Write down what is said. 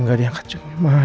enggak diangkat jauh